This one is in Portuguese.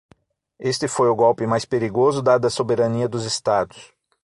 Este foi o golpe mais perigoso dado à soberania dos estados.